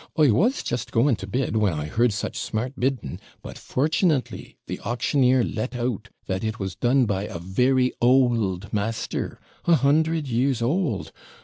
I was just going to bid, when I heard such smart bidding; but fortunately the auctioneer let out that it was done by a very old master a hundred years old.